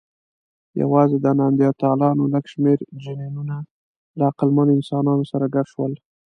یواځې د نیاندرتالانو لږ شمېر جینونه له عقلمنو انسانانو سره ګډ شول.